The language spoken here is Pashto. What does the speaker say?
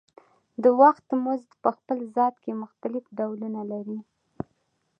د وخت مزد په خپل ذات کې مختلف ډولونه لري